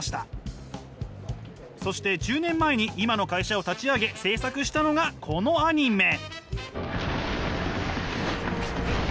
そして１０年前に今の会社を立ち上げ制作したのがこのアニメ。